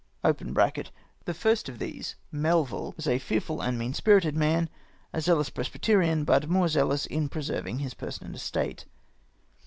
[The first of these (Melvill) was a fearful and mean spirited man, a zealous presbyterian, but more zealous in preserving his person and estate.